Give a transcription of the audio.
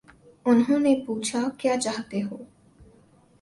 انہوں نے پوچھا: کیا چاہتے ہو؟